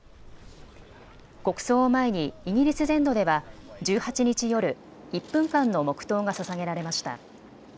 国葬を前にイギリス全土では１８日夜、１分間の黙とうがささげられました。